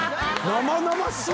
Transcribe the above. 生々しい！